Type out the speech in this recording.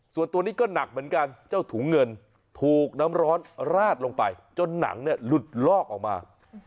ส่วนตัวนี้ก็หนักเหมือนกันเจ้าถุงเงินถูกน้ำร้อนราดลงไปจนหนังเนี่ยหลุดลอกออกมา